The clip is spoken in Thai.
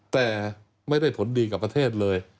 แต่ไม่ได้ผลดีกับประเทศเลย